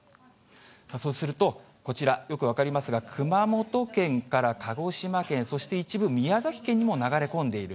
そうすると、こちら、よく分かりますが、熊本県から鹿児島県、そして一部、宮崎県にも流れ込んでいる。